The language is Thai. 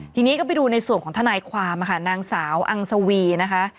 ทีนี้ก็ไปดูในส่วนของทนายความค่ะนางสาวอังสวีนะคะ